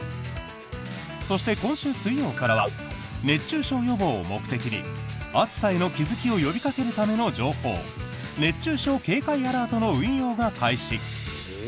そして、今週水曜からは熱中症予防を目的に暑さへの気付きを呼びかけるための情報熱中症警戒アラートの運用が開始。